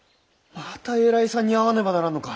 また偉いさんに会わねばならんのか？